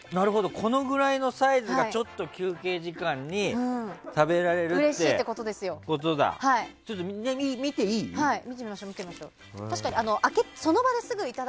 このくらいのサイズがちょっと休憩時間に食べられるってことだ。